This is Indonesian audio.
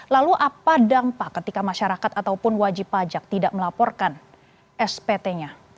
lalu apa dampak ketika masyarakat ataupun wajib pajak tidak melaporkan spt nya